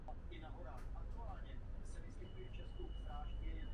Trénoval jej Petr Novák.